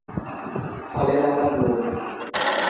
ফলের আকার গোল।